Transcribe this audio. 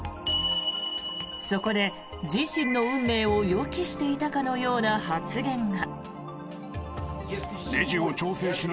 そこで自身の運命を予期していたかのような発言が。